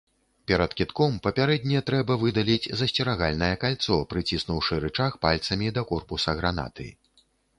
Перад кідком папярэдне трэба выдаліць засцерагальнае кальцо, прыціснуўшы рычаг пальцамі да корпуса гранаты.